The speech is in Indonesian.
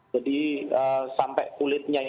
jadi sampai kulitnya ini